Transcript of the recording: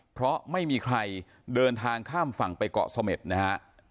เพราะไม่มีใครเดินทางข้ามฝั่งไปเกาะเสม็ดนะฮะ